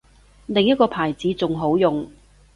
另一個牌子仲好用